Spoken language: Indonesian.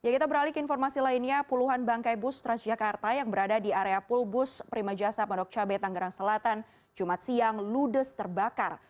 kita beralih ke informasi lainnya puluhan bangkai bus transjakarta yang berada di area pulbus prima jasa pondok cabe tanggerang selatan jumat siang ludes terbakar